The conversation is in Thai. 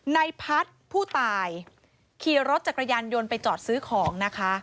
ในพัฒน์ผู้ตายขี่รถจักรยานยนต์ไปจอดซื้อของนะคะ